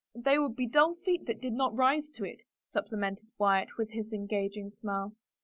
" They would be dull feet that did not rise to it," supplemented Wyatt with his engaging smile.